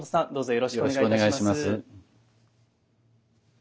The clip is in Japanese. よろしくお願いします。